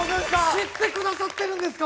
知って下さってるんですか！